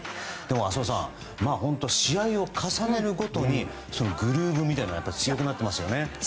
浅尾さん、試合を重ねるごとにグルーブみたいなものが強くなっていますよね。